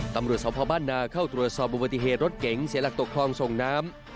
ตำรวจสพบ้านนาเข้าตรวจสอบอุบัติเหตุรถเก๋งเสียหลักตกคลองส่งน้ำ